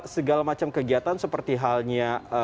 segala macam kegiatan seperti halnya